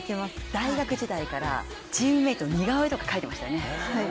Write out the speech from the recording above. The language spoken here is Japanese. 大学時代からチームメイトの似顔絵とか描いてましたね。